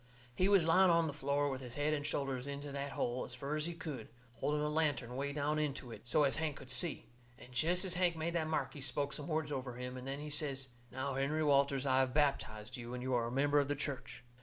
He was lying on the floor with his head and shoulders into that hole as fur as he could, holding a lantern way down into it, so as Hank could see. And jest as Hank made that mark he spoke some words over him, and then he says: "Now, Henry Walters, I have baptized you, and you are a member of the church."